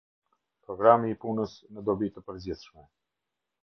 Programi i punës në dobi të përgjithshme.